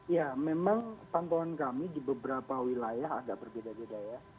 ya memang pantauan kami di beberapa wilayah agak berbeda beda ya